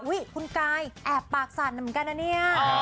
คุณกายแอบปากสั่นเหมือนกันนะเนี่ย